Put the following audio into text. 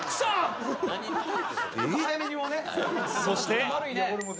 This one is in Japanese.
そして。